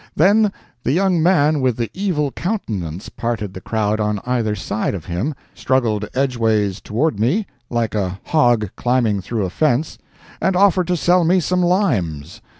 Then the young man with the evil countenance parted the crowd on either side of him, struggled edgeways toward me, like a hog climbing through a fence, and offered to sell me some limes.